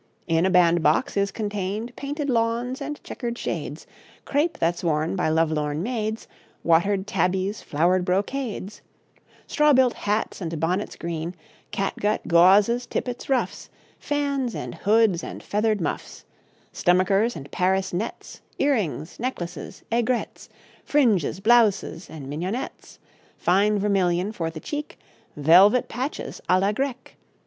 In a band box is contained Painted lawns, and chequered shades, Crape that's worn by love lorn maids, Watered tabbies, flowered brocades; Straw built hats, and bonnets green, Catgut, gauzes, tippets, ruffs; Fans and hoods, and feathered muffs, Stomachers, and Paris nets, Earrings, necklaces, aigrets, Fringes, blouses, and mignionets; Fine vermillion for the cheek, Velvet patches à la grecque.